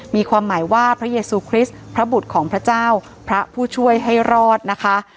มีความหมายว่าพระเยซูคริสต์พระบุตรของพระเจ้าพระผู้ช่วยให้รอดนะคะ